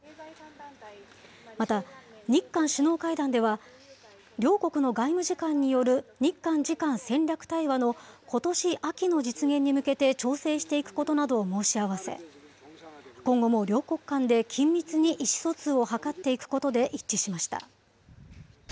また日韓首脳会談では、両国の外務次官による日韓次官戦略対話のことし秋の実現に向けて調整していくことなどを申し合わせ、今後も両国間で緊密に意思疎通を図っていくことで一致しました。